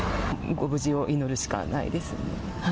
ご無事を祈るしかないです。